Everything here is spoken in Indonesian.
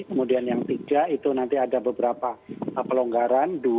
kemudian yang tiga itu nanti ada beberapa pelonggaran